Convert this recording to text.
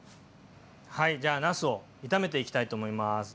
はいじゃあなすを炒めていきたいと思います。